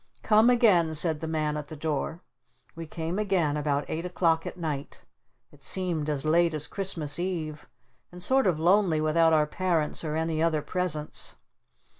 "Come again," said the man at the door. We came again about eight o'clock at night. It seemed as late as Christmas Eve and sort of lonely without our Parents or any other presents.